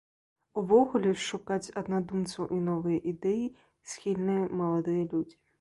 Увогуле, шукаць аднадумцаў і новыя ідэі схільныя маладыя людзі.